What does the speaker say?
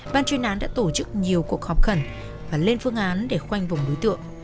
ban chuyên án đã tổ chức nhiều cuộc họp khẩn và lên phương án để khoanh vùng đối tượng